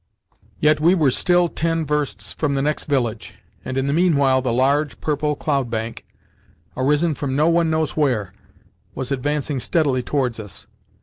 Yet we were still ten versts from the next village, and in the meanwhile the large purple cloudbank—arisen from no one knows where—was advancing steadily towards us.